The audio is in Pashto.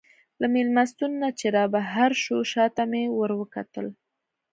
له مېلمستون نه چې رابهر شوو، شا ته مې وروکتل.